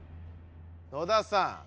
野田さん